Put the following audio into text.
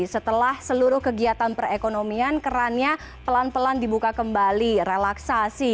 setelah seluruh kegiatan perekonomian kerannya pelan pelan dibuka kembali relaksasi